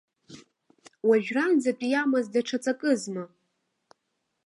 Уажәраанӡатәи иамаз даҽа ҵакызма?